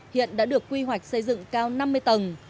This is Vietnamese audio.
hiện đã được quy hoạch xây dựng cao năm mươi tầng